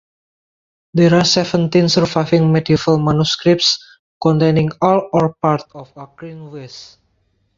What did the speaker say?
There are seventeen surviving medieval manuscripts containing all or part of "Ancrene Wisse".